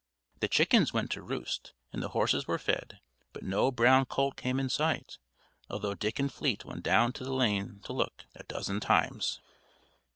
The chickens went to roost, and the horses were fed; but no brown colt came in sight, although Dick and Fleet went down the lane to look, a dozen times.